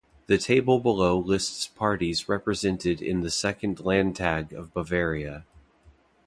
The table below lists parties represented in the Second Landtag of Bavaria.